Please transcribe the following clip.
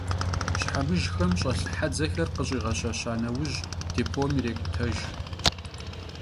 Şhemıjjxem ş'elh hedzexer khış'iğelhelha neuj, dêpom yirêk'utejj.